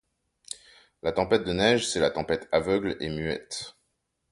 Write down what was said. La tempête de neige, c’est la tempête aveugle et muette.